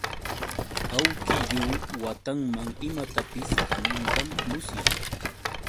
Awkillu watanman imatapis kanantam musyan.